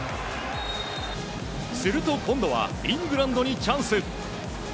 すると、今度はイングランドにチャンス。